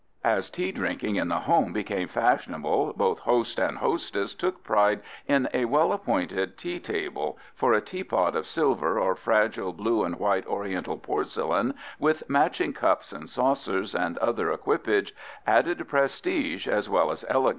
As tea drinking in the home became fashionable, both host and hostess took pride in a well appointed tea table, for a teapot of silver or fragile blue and white Oriental porcelain with matching cups and saucers and other equipage added prestige as well as elegance to the teatime ritual.